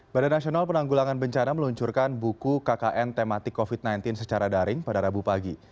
badan nasional penanggulangan bencana meluncurkan buku kkn tematik covid sembilan belas secara daring pada rabu pagi